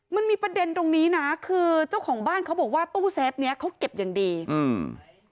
มันมีประเด็นตรงนี้นะคือเจ้าของบ้านเขาบอกว่าตู้เซฟเนี้ยเขาเก็บอย่างดีอืม